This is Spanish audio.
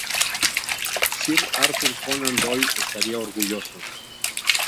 Sir Arthur Conan Doyle estaría orgulloso.